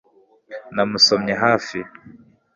Namusomye hafi